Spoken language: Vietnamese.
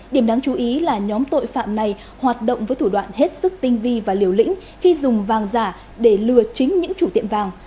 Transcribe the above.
điểm đáng chú ý là nhóm tội phạm này hoạt động với thủ đoạn hết sức tinh vi và liều lĩnh khi dùng vàng giả để lừa chính những chủ tiệm vàng